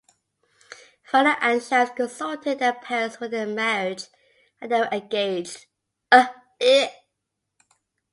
Falak and Shams consulted their parents for their marriage and they were engaged.